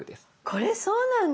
これそうなんだ！